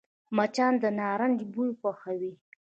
مچان د نارنج بوی خوښوي